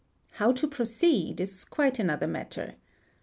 How to proceed ? is quite another matter.